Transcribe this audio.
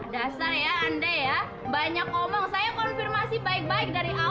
dasar ya andai ya banyak ngomong saya konfirmasi baik baik dari awal